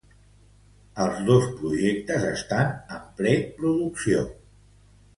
Els dos projectes estan en preproducció.